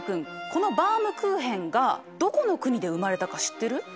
このバウムクーヘンがどこの国で生まれたか知ってる？